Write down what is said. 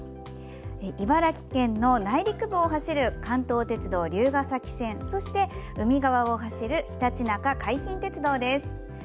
茨城県の内陸部を走る関東鉄道竜ヶ崎線そして、海側を走るひたちなか海浜鉄道です。